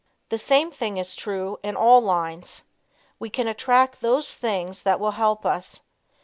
The same thing is true in all lines. We can attract those things that will help us.